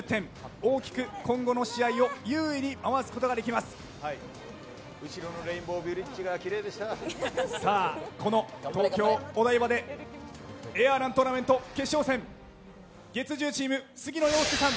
大きく今後の試合を優位にこの東京、お台場でエアーラントーナメント決勝戦月１０チーム杉野遥亮さん